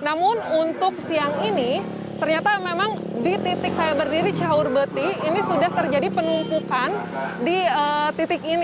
namun untuk siang ini ternyata memang di titik saya berdiri cihaur beti ini sudah terjadi penumpukan di titik ini